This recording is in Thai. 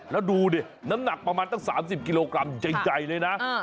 แล้วดูดิน้ำหนักประมาณตั้ง๓๐กิโลกรัมใหญ่เลยนะ